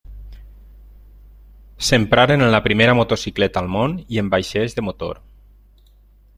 S'empraren en la primera motocicleta al món i en vaixells de motor.